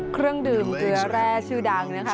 เครื่องดื่มเกลือแร่ชื่อดังนะคะ